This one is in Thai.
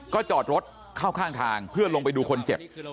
จอดรถเข้าข้างทางเพื่อลงไปดูคนเจ็บ